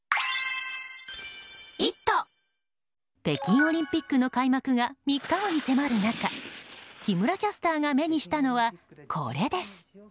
北京オリンピックの開幕が３日後に迫る中木村キャスターが目にしたのはこれです。